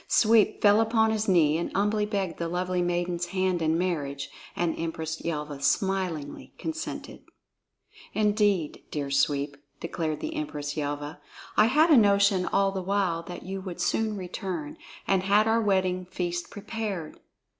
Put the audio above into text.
Sweep fell upon his knee and humbly begged the lovely maiden's hand in marriage, and Empress Yelva smilingly consented. "Indeed, dear Sweep!" declared the Empress Yelva, "I had a notion all the while that you would soon return, and had our wedding feast prepared!"